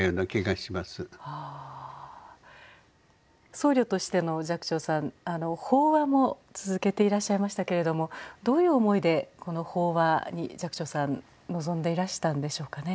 僧侶としての寂聴さん法話も続けていらっしゃいましたけれどもどういう思いでこの法話に寂聴さん臨んでいらしたんでしょうかね。